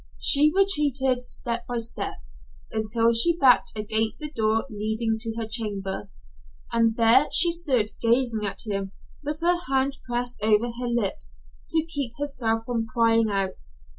She retreated, step by step, until she backed against the door leading to her chamber, and there she stood gazing at him with her hand pressed over her lips to keep herself from crying out.